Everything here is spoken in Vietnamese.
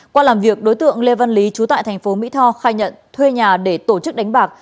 qua làm việc đối tượng lê văn lý trú tại thành phố mỹ tho khai nhận thuê nhà để tổ chức đánh bạc